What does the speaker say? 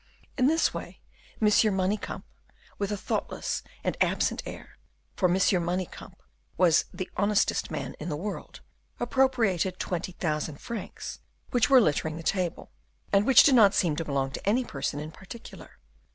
In this way, Monsieur Manicamp, with a thoughtless and absent air for M. Manicamp was the honestest man in the world, appropriated twenty thousand francs, which were littering the table, and which did not seem to belong to any person in particular.